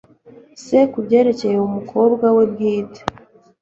se kubyerekeye umukobwa we bwite